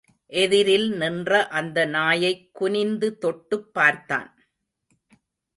எதிரில் நின்ற அந்த நாயைக் குனிந்து தொட்டு பார்த்தான்.